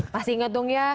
masih ingat dong ya